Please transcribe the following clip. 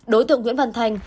đối tượng nguyễn văn thành